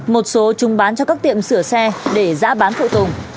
một số chung bán cho các tiệm sửa xe để giá bán phụ tùng